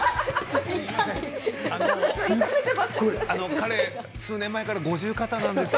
彼、数年前から五十肩なんです。